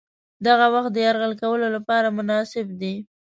دغه وخت د یرغل کولو لپاره مناسب دی.